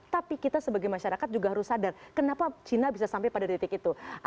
tapi kita sebagai masyarakat juga harus sadar kenapa china bisa sampai pada titik itu